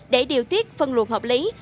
để điều tiết phân luận hợp lý